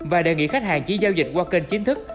và đề nghị khách hàng chỉ giao dịch qua kênh chính thức